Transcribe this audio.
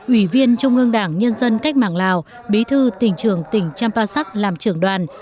ủy viên trung ương đảng nhân dân cách mạng lào bí thư tỉnh trường tỉnh champasak làm trưởng đoàn